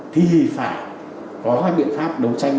thì phải có hai biện pháp đấu tranh